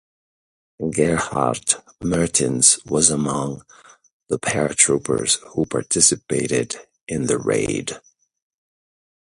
Gerhard Mertins was among the paratroopers who participated in the raid.